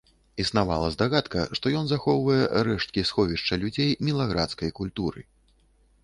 Існавала здагадка, што ён захоўвае рэшткі сховішча людзей мілаградскай культуры.